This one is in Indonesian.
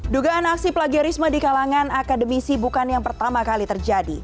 dugaan aksi plagiarisme di kalangan akademisi bukan yang pertama kali terjadi